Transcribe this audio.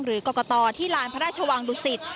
หรือกรกตที่ลานพระราชวังดุสิต